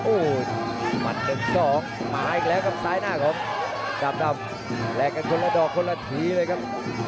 โอ้โหหมัด๑๒มาอีกแล้วครับซ้ายหน้าของจาบดำแลกกันคนละดอกคนละทีเลยครับ